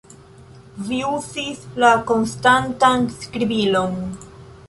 Vi uzis la konstantan skribilon!